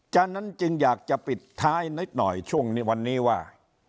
ฉะนั้นจึงอยากจะปิดท้ายนิดหน่อยช่วงนี้วันนี้ว่า